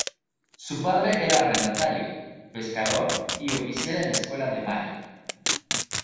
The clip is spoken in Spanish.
Su padre era arrendatario, pescador y oficial en la escuela de Mary.